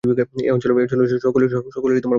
এ অঞ্চলের সকলের বড় মাঠ।